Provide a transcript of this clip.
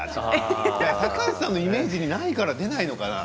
高橋さんのイメージにないから出ないのかな。